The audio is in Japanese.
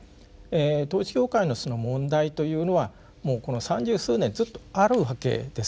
統一教会の問題というのはもうこの３０数年ずっとあるわけです。